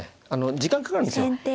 時間かかるんですよ。